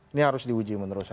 ini harus diuji menurut saya